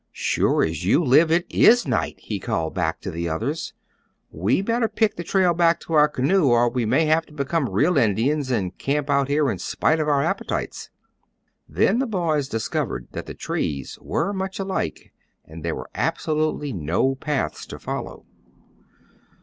"Sure as you live it is night!" he called back to the others. "We better pick the trail back to our canoe, or we may have to become real Indians and camp out here in spite of our appetites." Then the boys discovered that the trees were much alike, and there were absolutely no paths to follow.